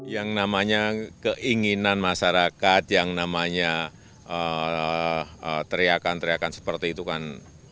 yang namanya keinginan masyarakat yang namanya teriakan teriakan seperti itu kan